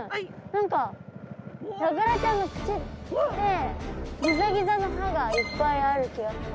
何かヤガラちゃんの口ってギザギザの歯がいっぱいある気がする。